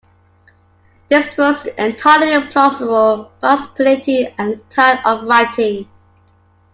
This was an entirely plausible possibility at the time of writing.